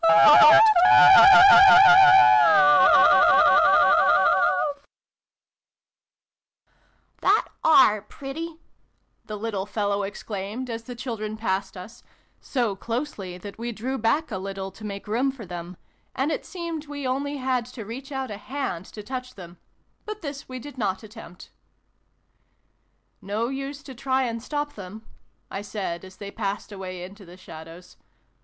" That are pretty !" the little fellow exclaimed, as the children passed us so closely that we drew back a little to make room for them, and it seemed we had only to reach out a hand to touch them : but this we did not attempt. xix] A FAIRY DUET. 309 " No use to try and stop them !" I said, as they passed away into the shadows.